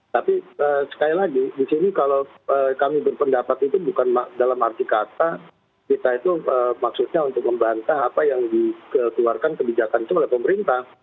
tapi sekali lagi di sini kalau kami berpendapat itu bukan dalam arti kata kita itu maksudnya untuk membantah apa yang dikeluarkan kebijakan itu oleh pemerintah